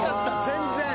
全然。